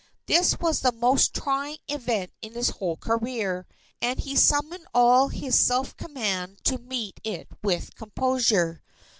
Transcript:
This was the most trying event in his whole career, and he summoned all his self command to meet it with composure.